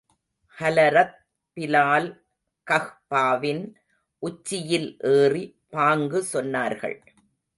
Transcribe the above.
Hazrat Bilal கஃபாவின் உச்சியில் ஏறி, பாங்கு சொன்னார்கள்.